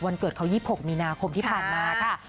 เกิดเขา๒๖มีนาคมที่ผ่านมาค่ะ